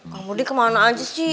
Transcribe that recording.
kang broding kemana aja sih